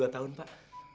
dua puluh dua tahun pak